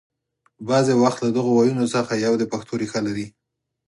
بعضې وختونه له دغو ويونو څخه یو د پښتو ریښه لري